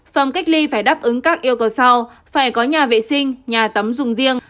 phòng cách ly phải đáp ứng các yêu cầu sau phải có nhà vệ sinh nhà tắm dùng riêng